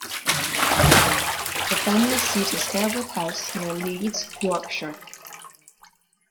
The family seat is Harewood House, near Leeds, Yorkshire.